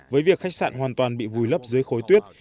với việc khách sạn hoàn toàn bị vùi lấp dưới khối tuyết